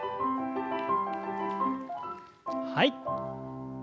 はい。